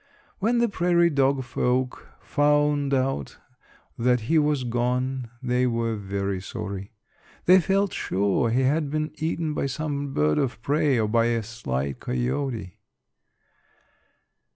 When the prairie dog folk found out that he was gone they were very sorry. They felt sure he had been eaten by some bird of prey or by a sly coyote.